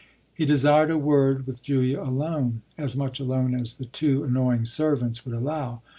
He desired a word with Julia alone as much alone as the two annoying servants would allow.